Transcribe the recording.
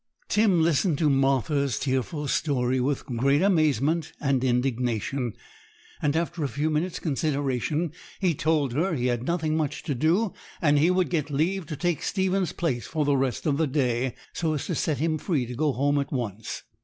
Tim listened to Martha's tearful story with great amazement and indignation; and, after a few minutes' consideration, he told her he had nothing much to do, and he would get leave to take Stephen's place for the rest of the day, so as to set him free to go home at once.